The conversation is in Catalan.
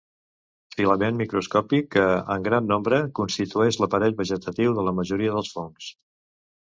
Filament microscòpic que, en gran nombre, constitueix l'aparell vegetatiu de la majoria dels fongs.